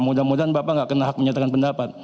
mudah mudahan bapak nggak kena hak menyatakan pendapat